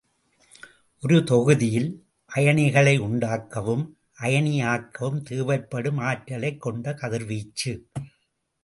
ஒரு தொகுதியில் அயனிகளை உண்டாக்கவும் அயனியாக்கவும் தேவைப்படும் ஆற்றலைக் கொண்ட கதிர்வீச்சு.